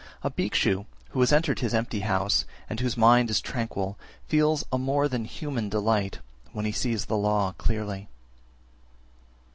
373. A Bhikshu who has entered his empty house, and whose mind is tranquil, feels a more than human delight when he sees the law clearly.